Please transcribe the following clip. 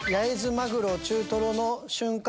マグロ中トロの瞬間